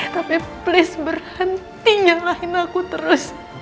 tapi please berhenti nyalahin aku terus